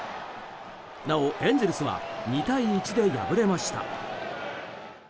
なお、エンゼルスは２対１で敗れました。